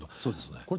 そうですね。